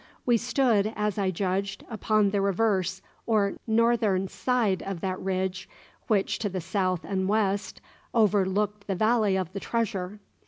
We stood, as I judged, upon the reverse or northern side of that ridge which to the south and west overlooked the valley of the treasure.